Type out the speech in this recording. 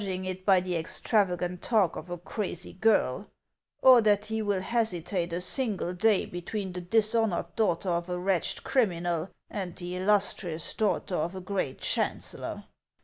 ing it by the extravagant talk of a crazy girl, or that he will hesitate a single day between the dishonored daughter of a wretched criminal and the illustrious daughter of a great chancellor?